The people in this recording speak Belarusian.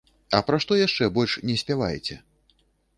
А пра што яшчэ больш не спяваеце?